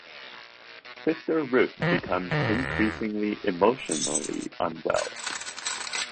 Sister Ruth becomes increasingly emotionally unwell.